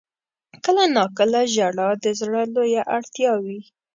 • کله ناکله ژړا د زړه لویه اړتیا وي.